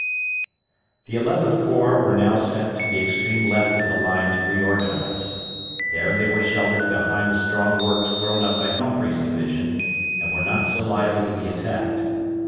The Eleventh Corps were now sent to the extreme left of the line to reorganize. There they were sheltered behind the strong works thrown up by Humphrey's division, and were not so liable to be attacked.